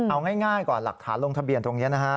เอาง่ายก่อนหลักฐานลงทะเบียนตรงนี้นะฮะ